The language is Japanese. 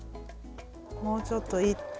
もうちょっと行って。